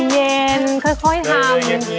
มันเป็นอะไร